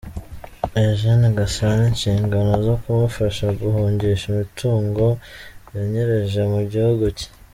Eugene Gasana inshingano zo kumufasha guhungisha imitungo yanyereje mu gihugu cye.